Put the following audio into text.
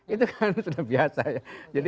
itu kan sudah biasa ya